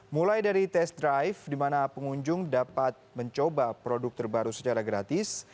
mulai dari test drive di mana pengunjung dapat mencoba produk terbaru secara gratis